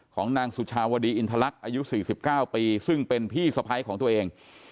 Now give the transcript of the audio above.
ของนางสุชาวดีอินทลักษณ์อายุ๔๙ปีซึ่งเป็นพี่สะพ้ายของตัวเอง